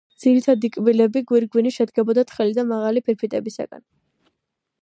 ძირითადი კბილები გვირგვინი შედგებოდა თხელი და მაღალი ფირფიტებისაგან.